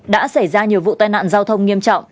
đã xảy ra nhiều vụ tai nạn giao thông nghiêm trọng